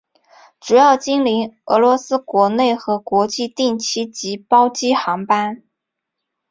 主要经营俄罗斯国内和国际定期及包机航班。